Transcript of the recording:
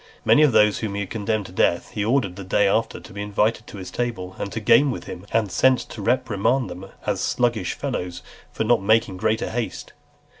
Many of those whom he had condemned to death, he ordered the day after to be invited to his table, and to game with him, and sent to reprimand them as sluggish fellows for not making greater haste.